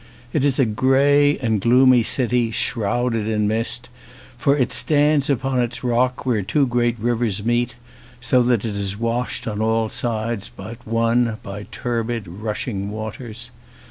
It is a grey and gloomy city, shrouded in mist, for it stands upon its rock where two great rivers meet so that it is washed on all sides but one by turbid, rushing waters.